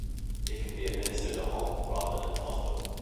It can be administered at home rather than in hospital.